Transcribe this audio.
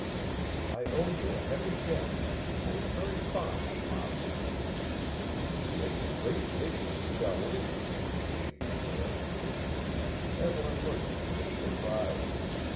"I owe you a heavy debt I am very fond of Mopsy." "It's a great pity she fell in," Vane declared. Evelyn looked at him with surprise.